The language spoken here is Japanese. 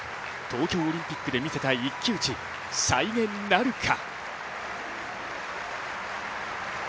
東京オリンピックで見せた一騎打ち、再現なるか？